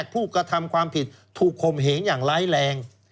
ผู้กระทำความผิดถูกคมเหงอย่างร้ายแรง